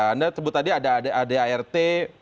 anda sebut tadi ada adart dua ribu sepuluh